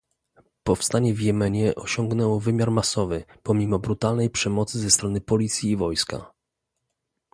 Powstanie w Jemenie osiągnęło wymiar masowy, pomimo brutalnej przemocy ze strony policji i wojska